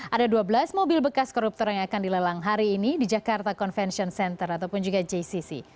ada dua belas mobil bekas koruptor yang akan dilelang hari ini di jakarta convention center ataupun juga jcc